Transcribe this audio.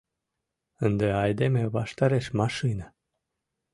— Ынде айдеме ваштареш машина!